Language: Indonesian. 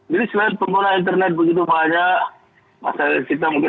jadi selain pengguna internet begitu banyak